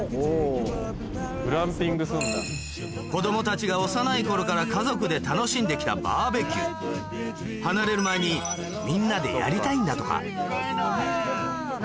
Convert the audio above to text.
子供たちが幼い頃から家族で楽しんで来たバーベキュー離れる前にみんなでやりたいんだとかおいしそう。